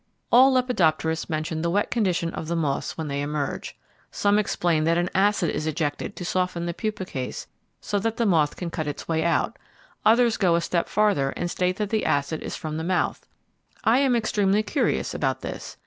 All lepidopterists mention the wet condition of the moths when they emerge. Some explain that an acid is ejected to soften the pupa case so that the moth can cut its way out; others go a step farther and state that the acid is from the mouth. I am extremely curious about this.